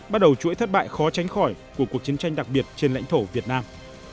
bắt đầu chuỗi thất bại khó tránh khỏi của cuộc chiến tranh đặc biệt trên lãnh thổ việt nam